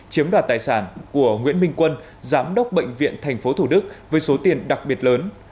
chiếm đoạt tài sản của nguyễn minh quân giám đốc bệnh viện tp thủ đức với số tiền đặc biệt lớn